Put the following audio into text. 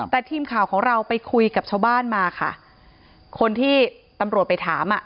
แต่ทีมข่าวของเราไปคุยกับชาวบ้านมาค่ะคนที่ตำรวจไปถามอ่ะ